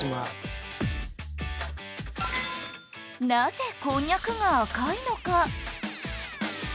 なぜこんにゃくが赤いのか？